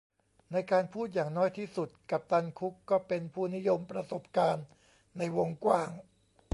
ในการพูดอย่างน้อยที่สุดกัปตันคุกก็เป็นผู้นิยมประสบการณ์ในวงกว้าง